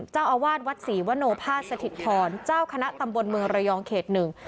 เจ้าอาวาสวัดศรีวโนภาษสถิตพรเจ้าคณะตำบลเมืองระยองเขตหนึ่ง